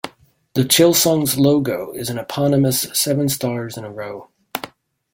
The Chilsung's logo is an eponymous seven stars in a row.